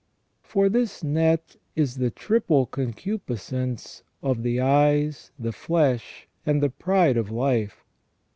For this net is the triple concupiscence of the eyes, the flesh, and the pride of life.